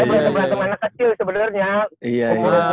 berantem berantem anak kecil sebenarnya